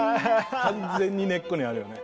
完全に根っこにあるよね。